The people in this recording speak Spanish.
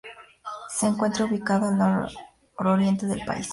Se encuentra ubicada al nororiente del país.